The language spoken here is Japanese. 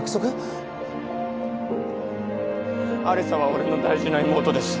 有沙は俺の大事な妹です。